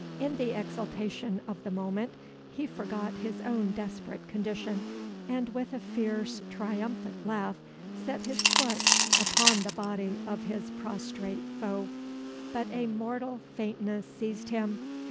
In the exultation of the moment, he forgot his own desperate condition, and, with a fierce, triumphant laugh, set his foot upon the body of his prostrate foe. But a mortal faintness seized him.